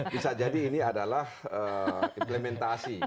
bisa jadi ini adalah implementasi